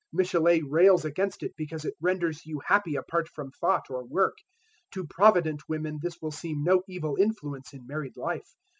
Michelet rails against it because it renders you happy apart from thought or work; to provident women this will seem no evil influence in married life.